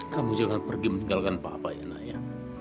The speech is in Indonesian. kamu jangan pergi meninggalkan papa ya naya